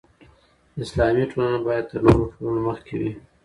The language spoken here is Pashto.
اسلامي ټولنه باید تر نورو ټولنو مخکې وي.